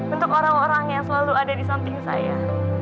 untuk orang orang yang selalu ada di samping saya